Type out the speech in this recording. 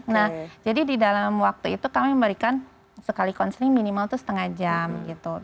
nah jadi di dalam waktu itu kami memberikan sekali counseling minimal itu setengah jam gitu